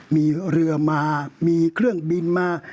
มีเรือมามีเครื่องบินมา